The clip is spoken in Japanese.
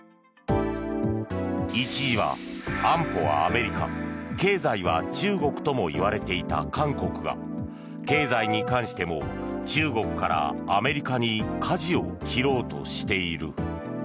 一時は安保はアメリカ、経済は中国ともいわれていた韓国が経済に関しても中国からアメリカにかじを切ろうとしている。